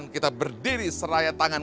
kita berdiri seraya tangan